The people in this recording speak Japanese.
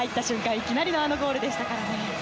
いきなりのあのゴールでしたからね。